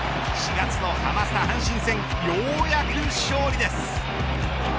４月のハマスタ阪神戦ようやく勝利です。